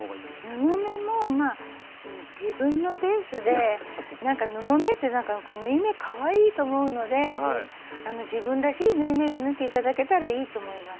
布目も自分のペースで布目って縫い目かわいいと思うので自分らしい縫い目で縫って頂けたらいいと思います。